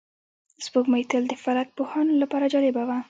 سپوږمۍ تل د فلک پوهانو لپاره جالبه وه